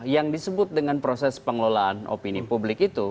yang disebut dengan proses pengelolaan opini publik itu